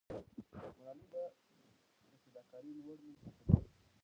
ملالۍ به د فداکارۍ لوړ نوم ساتلې وو.